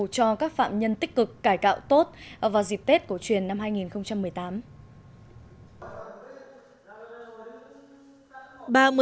cho các phạm nhân tích cực cải tạo tốt vào dịp tết cổ truyền năm hai nghìn một mươi tám